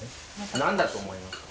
何だと思いますか？